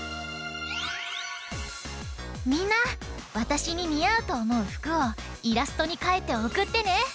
みんなわたしににあうとおもうふくをイラストにかいておくってね！